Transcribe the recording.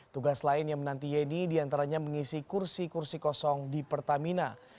tugas lain yang menanti yeni diantaranya mengisi kursi kursi kosong di pertamina